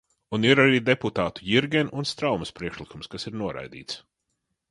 Un ir arī deputātu Jirgena un Straumes priekšlikums, kas ir noraidīts.